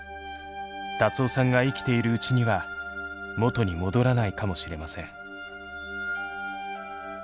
辰雄さんが生きているうちには元に戻らないかもしれません。